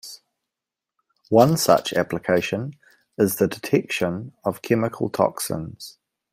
One such application is the detection chemical toxins.